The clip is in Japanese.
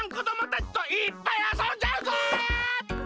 たちといっぱいあそんじゃうぞ！